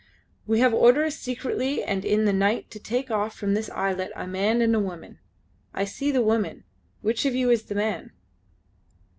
"We have had orders secretly and in the night to take off from this islet a man and a woman. I see the woman. Which of you is the man?"